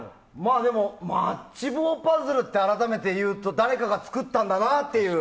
マッチ棒パズルって改めて言うと誰かが作ったんだなっていう。